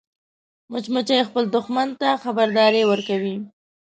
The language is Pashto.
مچمچۍ خپل دښمن ته خبرداری ورکوي